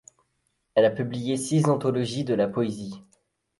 Elle a publié six anthologies de la poésie.